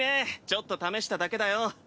ちょっと試しただけだよ。